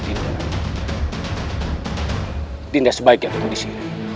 dinda sebaiknya duduk disini